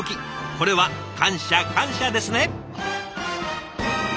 これは感謝感謝ですね。